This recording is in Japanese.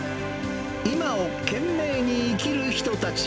今を懸命に生きる人たち。